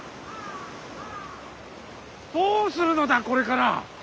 どうするのだこれから。